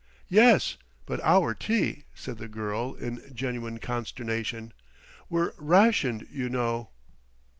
"Yes; but our tea," said the girl in genuine consternation; "we're rationed, you know."